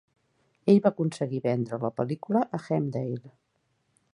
Ell va aconseguir vendre la pel·lícula a Hemdale.